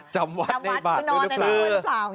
จำวัดในนั้นด้วยรึเปล่า